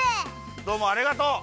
どうもありがとう。